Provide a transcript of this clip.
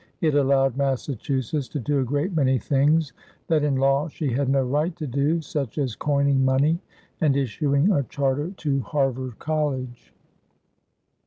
It allowed Massachusetts to do a great many things that in law she had no right to do, such as coining money and issuing a charter to Harvard College.